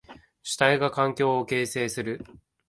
主体が環境を形成する。